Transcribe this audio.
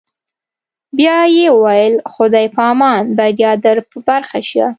بیا یې وویل: خدای په امان، بریا در په برخه شه.